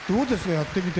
やってみて。